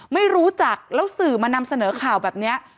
ไม่รู้จักแล้วสื่อมานำเสนอข่าวแบบนี้